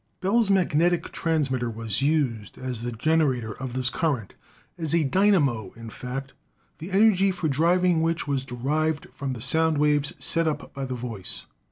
Bell's magnetic transmitter was used as the generator of this current, as a dynamo, in fact, the energy for driv ing which was derived from the sound waves set up by the voice.